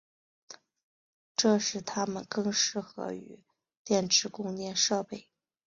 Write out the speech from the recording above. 这使它们更适合于电池供电设备。